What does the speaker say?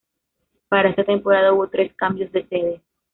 Para esta temporada hubo tres cambios de sede.